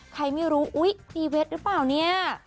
ใครไม่รู้อุ๊ยพรีเวตหรือเปล่าเนี่ย